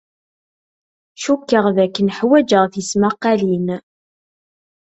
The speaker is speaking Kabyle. Cikkeɣ dakken ḥwajeɣ tismaqqalin.